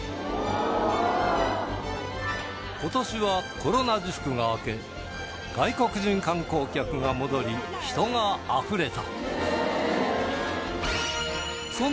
今年はコロナ自粛が明け外国人観光客が戻り人があふれた